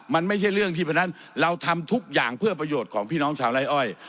มันไม่ใช่เรื่องที่เพราะฉะนั้นเราทำทุกอย่างเพื่อประโยชน์ของพี่น้องชาวไล่อ้อย